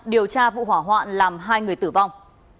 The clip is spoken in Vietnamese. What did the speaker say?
điều tra vụ hỏa hoạn làm hai người tử vong